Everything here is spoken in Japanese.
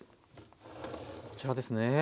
こちらですね